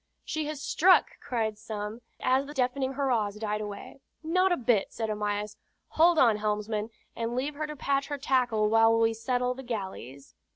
"She has struck!" cried some, as the deafening hurrahs died away. "Not a bit," said Amyas. "Hold on, helmsman, and leave her to patch her tackle while we settle the galleys."